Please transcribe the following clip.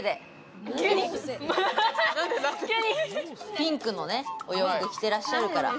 ピンクのお洋服を着ていらっしゃるから。